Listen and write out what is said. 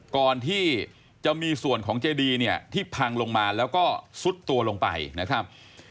ก่อนที่จะมีส่วนของเจดีเนี่ยที่พังลงมาแล้วก็ซุดตัวลงไปนะครับ